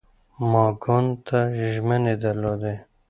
ما ګوند ته ژمنې درلودې.